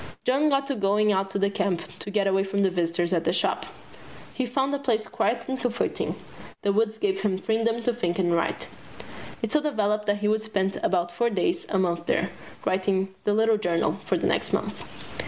John got to going out to the camp to get away from visitors at the Shop. He found the place quiet and comforting. The woods gave him freedom to think and write. It so developed that he would spend about four days a month there, writing the "Little Journey" for the next month.